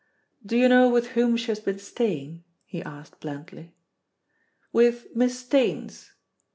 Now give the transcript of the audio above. "Do you know with whom she has been staying?" he asked blandly. "With Miss Staines."